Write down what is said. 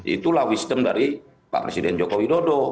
itulah wisdom dari pak presiden jokowi dodo